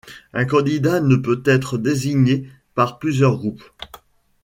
Un candidat ne peut être désigné par plusieurs groupes.